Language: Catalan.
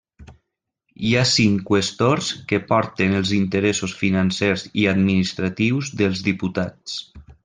Hi ha cinc qüestors que porten els interessos financers i administratius dels diputats.